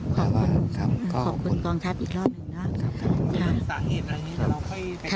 ขอบคุณน้องร้อย